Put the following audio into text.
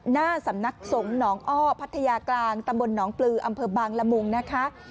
หน้าสำนักสงฆ์หนองอ้อพัทยากลางตำบลหนองปลืออำเภอบางละมุงนะคะ